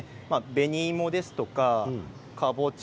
紅芋ですとか、かぼちゃ